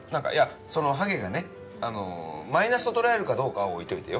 そのハゲがねマイナスと捉えるかどうかは置いておいてよ？